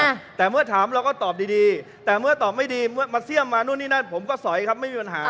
อ่าแต่เมื่อถามเราก็ตอบดีดีแต่เมื่อตอบไม่ดีเมื่อมาเสี่ยมมานู่นนี่นั่นผมก็สอยครับไม่มีปัญหา